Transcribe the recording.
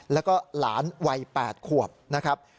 แล้วก็หลานวัย๘ขวบนะครับ